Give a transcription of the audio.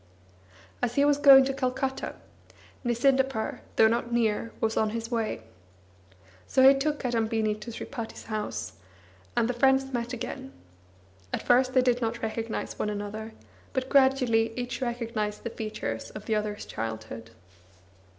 As he was going to Calcutta, Nisindapur, though not near, was on his way. So he took Kadambini to Sripati s house, and the friends met again. At first they did not recognise one another, but gradually each recognised the features of the other's childhood.